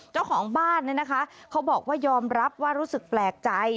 เจ้าของบ้านเนี่ยนะคะเขาบอกว่ายอมรับว่ารู้สึกแปลกใจ